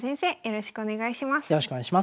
よろしくお願いします。